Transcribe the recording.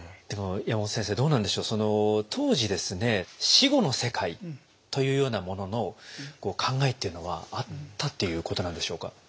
でも山本先生どうなんでしょう当時ですね死後の世界というようなものの考えっていうのはあったっていうことなんでしょうか？